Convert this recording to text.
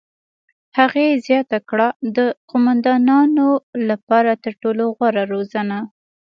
هغې زیاته کړه: "د قوماندان لپاره تر ټولو غوره روزنه.